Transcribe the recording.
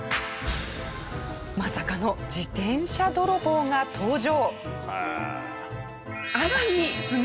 まさかの自転車泥棒が登場。